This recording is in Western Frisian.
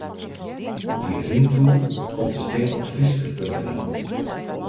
De rymtool komt te stean op Frysker.nl.